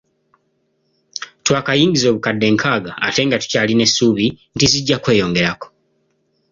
Twakayingiza obukadde nkaaga ate nga tukyalina essuubi nti zijja kweyongerako.